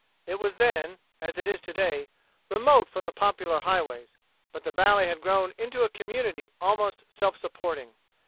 It was then, as it is to day, remote from popular highways, but the valley had grown into a community almost self supporting.